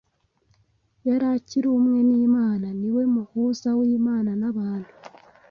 yari akiri umwe n’Imana. Niwe Muhuza w’Imana n’abantu.